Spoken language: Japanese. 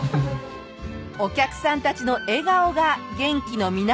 お客さんたちの笑顔が元気の源。